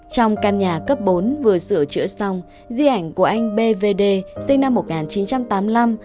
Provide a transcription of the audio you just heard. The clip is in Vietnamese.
trong căn nhà cấp bốn vừa sửa chữa xong di ảnh của anh bvd sinh năm một nghìn chín trăm tám mươi năm